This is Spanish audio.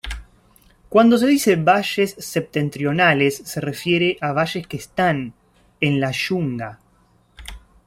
Cuando se dice valles septentrionales se refiere a valles que están, en la yunga.